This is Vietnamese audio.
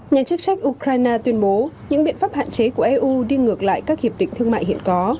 nhà chức trách ukraine tuyên bố những biện pháp hạn chế của eu đi ngược lại các hiệp định thương mại hiện có